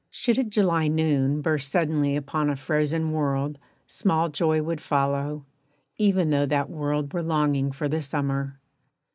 Should a July noon Burst suddenly upon a frozen world Small joy would follow, even tho' that world Were longing for the Summer.